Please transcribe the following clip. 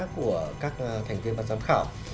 của các thành viên và giám khảo